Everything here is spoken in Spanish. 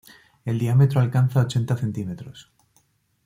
El diámetro alcanza ochenta centímetros.